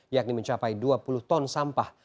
yakni mencapai dua puluh ton sampah